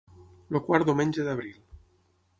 El quart diumenge d'abril.